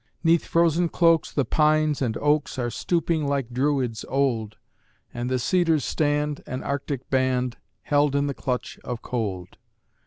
'Neath frozen cloaks the pines and oaks Are stooping like Druids old, And the cedars stand an arctic band Held in the clutch of cold.